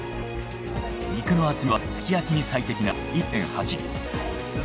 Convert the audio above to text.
肉の厚みはすき焼きに最適な１．８ミリ。